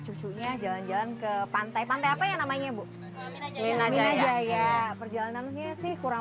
cucunya jalan jalan ke pantai pantai apa ya namanya bu minajaya perjalanannya sih kurang